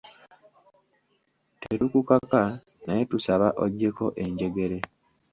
Tetukukaka naye tusaba oggyeko enjegere.